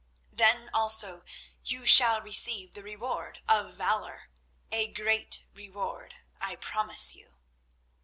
"Then also you shall receive the reward of valour—a great reward, I promise you."